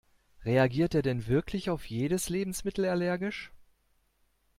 Reagiert er denn wirklich auf jedes Lebensmittel allergisch?